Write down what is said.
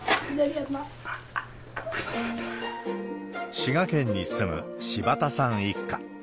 滋賀県に住む柴田さん一家。